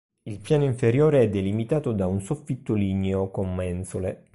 Il piano inferiore è delimitato da un soffitto ligneo con mensole.